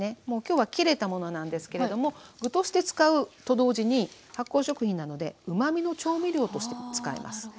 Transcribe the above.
もう今日は切れたものなんですけれども具として使うと同時に発酵食品なのでうまみの調味料としても使えます。